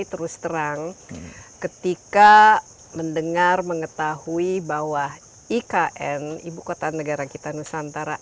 terus terang ketika mendengar mengetahui bahwa ikn ibu kota negara kita nusantara